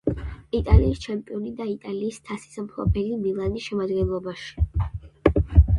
იტალიის ჩემპიონი და იტალიის თასის მფლობელი „მილანის“ შემადგენლობაში.